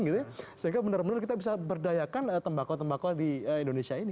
sehingga benar benar kita bisa berdayakan tembakau tembakau di indonesia ini